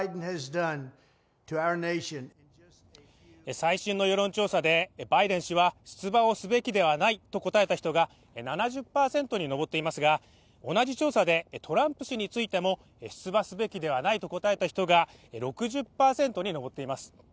最新の世論調査でバイデン氏は出馬すべきではないと答えた人が７０％に上っていますが、同じ調査で、トランプ氏についても出馬すべきではないと答えた人が６０％に上っています。